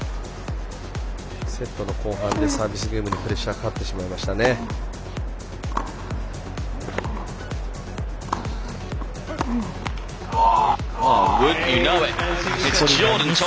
セットの後半でサービスゲームにプレッシャーかかってしまいましたね。